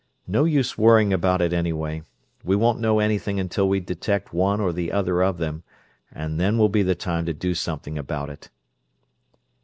No use worrying about it, anyway. We won't know anything until we can detect one or the other of them, and then will be the time to do something about it."